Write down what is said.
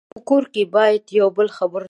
په کور کې باید د یو بل خبرو ته غوږ ونیول شي.